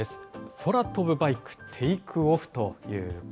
空飛ぶバイク、テイクオフ！？